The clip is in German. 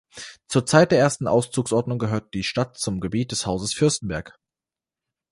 Zur Zeit der ersten Auszugsordnung gehörte die Stadt zum Gebiet des Hauses Fürstenberg.